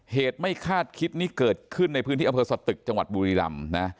เหตุไม่คาดคิดนี่เกิดขึ้นในพื้นที่อำเภอสตึกจังหวัดบุรีรำนะ